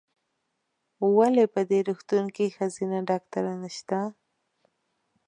ولې په دي روغتون کې ښځېنه ډاکټره نسته ؟